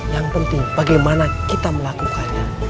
yang penting bagaimana kita melakukannya